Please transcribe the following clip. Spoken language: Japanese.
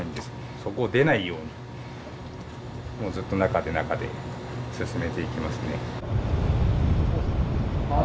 そこを出ないようにもうずっと中で中で進めていきますね。